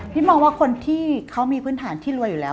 มองว่าคนที่เขามีพื้นฐานที่รวยอยู่แล้ว